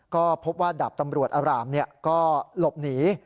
ก็พบว่าดาบตำรวจอารามก็หลบหนี